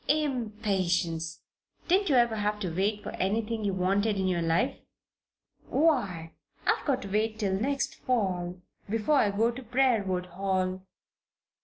"Impatience! Didn't you ever have to wait for anything you wanted in your life?" "Why, I've got to wait till next fall before I go to Briarwood Hall.